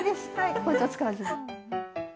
包丁使わずに。